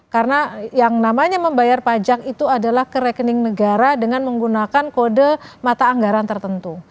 karena yang namanya membayar pajak itu adalah ke rekening negara dengan menggunakan kode mata anggaran tertentu